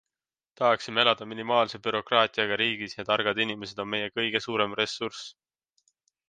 Tahaksime elada minimaalse bürokraatiaga riigis ja targad inimesed on meie kõige suurem ressurss.